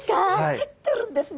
入ってるんですね。